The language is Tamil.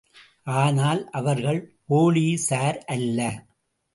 ஆனால் அவர்கள் போலீசார் அல்ல.